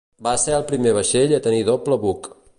Va ser el primer vaixell a tenir doble buc.